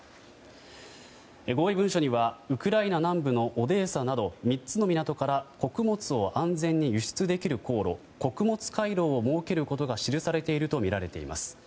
合意文書にはウクライナ南部のオデーサなど３つの港から穀物を安全に輸出できる航路穀物回廊を設けることが記されているとみられています。